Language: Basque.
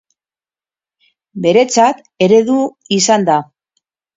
Beretzat eredu izan da.